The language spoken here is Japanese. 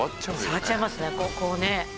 触っちゃいますねこうね。